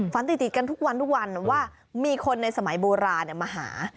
ฝันติดกันทุกวันทุกวันว่ามีคนในสมัยโบราณมาหา